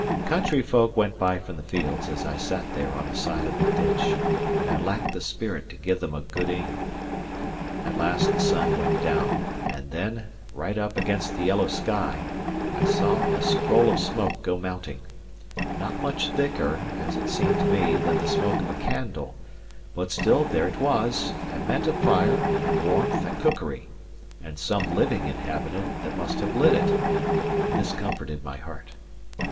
Country folk went by from the fields as I sat there on the side of the ditch, but I lacked the spirit to give them a good e'en. At last the sun went down, and then, right up against the yellow sky, I saw a scroll of smoke go mounting, not much thicker, as it seemed to me, than the smoke of a candle; but still there it was, and meant a fire, and warmth, and cookery, and some living inhabitant that must have lit it; and this comforted my heart.